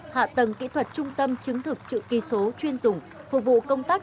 hạ tầng kỹ thuật trung tâm chứng thực trực kỳ số chuyên dùng phục vụ công tác